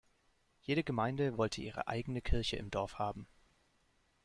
Jede Gemeinde wollte ihre eigene Kirche im Dorf haben.